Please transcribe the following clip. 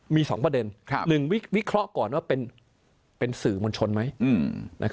มี๒ประเด็น๑วิเคราะห์ก่อนว่าเป็นสื่อมวลชนไหม